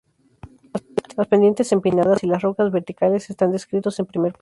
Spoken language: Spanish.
Las pendientes empinadas y las rocas verticales están descritos en primer plano.